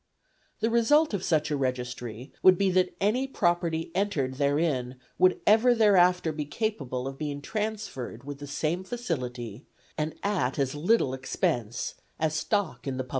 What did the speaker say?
The result of such a registry would be that any property entered therein would ever thereafter be capable of being transferred with the same facility, and at as little expense, as stock in the public funds.